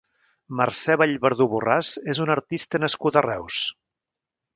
Mercè Vallverdú Borràs és una artista nascuda a Reus.